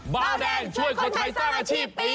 เบาแดงช่วยคนไทยสร้างอาชีพปี